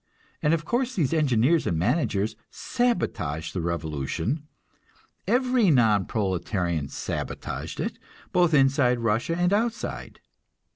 And of course these engineers and managers sabotaged the revolution every non proletarian sabotaged it, both inside Russia and outside.